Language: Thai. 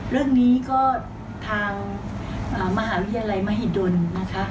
เรื่องนี้ก็ทางมหาวิทยาลัยมหิดลนะคะ